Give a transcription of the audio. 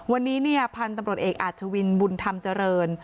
วันนี้เนี่ยพันธุ์ตำรวจเอกอาชวินบุญธรรมเจริญ